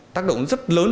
tác động rất lớn